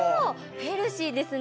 ヘルシーですね！